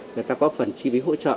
người ta có phần chi phí hỗ trợ